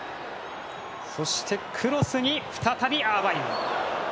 そしてクロスに再びアーバイン。